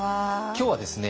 今日はですね